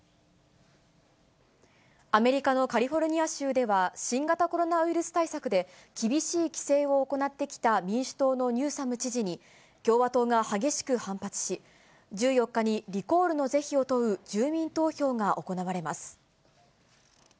アメリカのカリフォルニア州では、新型コロナウイルス対策で、厳しい規制を行ってきた民主党のニューサム知事に、共和党が激しく反発し、１４日にリコールの是非を問う住民投票が行われます。